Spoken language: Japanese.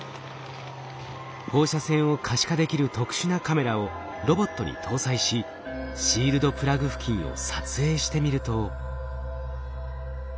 放射線を可視化できる特殊なカメラをロボットに搭載しシールドプラグ付近を撮影してみると。